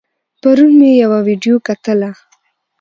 پرون مې يوه ويډيو کتله